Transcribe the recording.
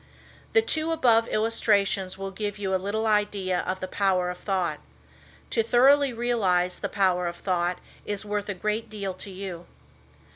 The two above illustrations will give you a little idea of the power of thought. To thoroughly realize the power of thought is worth a great deal to you.